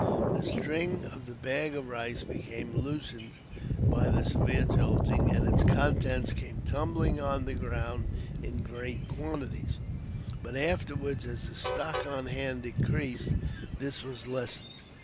The string of the bag of rice became loosened by the severe jolting, and its contents came tumbling on the ground in great quantities, but afterwards as the stock on hand decreased, this was lessened.